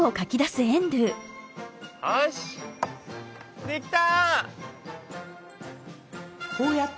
よしできた！